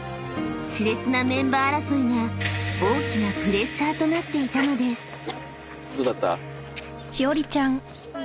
［熾烈なメンバー争いが大きなプレッシャーとなっていたのです］